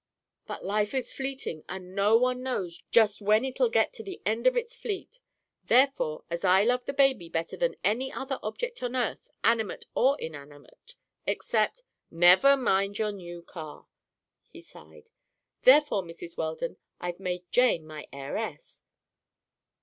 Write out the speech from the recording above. "But life is fleeting, and no one knows just when it'll get to the end of its fleet. Therefore, as I love the baby better than any other object on earth—animate or inanimate—except—" "Never mind your new car." He sighed. "Therefore, Mrs. Weldon, I've made Jane my heiress."